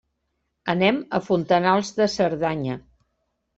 Anem a Fontanals de Cerdanya.